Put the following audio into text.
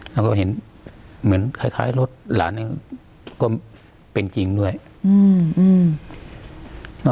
แล้วก็เห็นเหมือนคล้ายคล้ายรถหลานก็เป็นจริงด้วยอืม